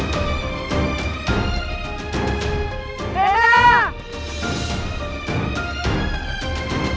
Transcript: masa yang terakhir